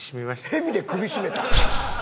ヘビで首絞めたん？